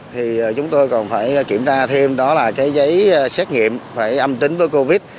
thì chúng tôi còn phải kiểm tra thêm đó là cái giấy xét nghiệm phải âm tính với covid